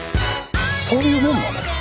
そういうもんなの？